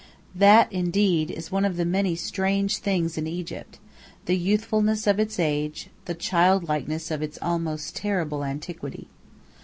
That, indeed, is one of the many strange things in Egypt the youthfulness of its age, the childlikeness of its almost terrible antiquity.